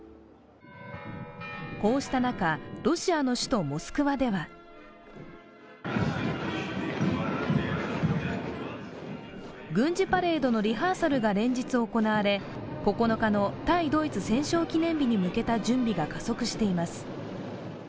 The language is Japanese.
こうした中、ロシアの首都モスクワでは軍事パレードのリハーサルが連日行われ９日の対ドイツ戦勝記念日に向けた準備が加速しています。